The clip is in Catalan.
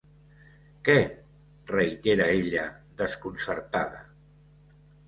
Què? —reitera ella, desconcertada.